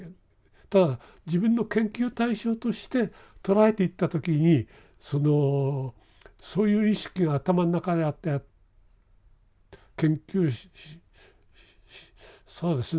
ただ自分の研究対象として捉えていった時にそのそういう意識が頭の中にあって研究そうですね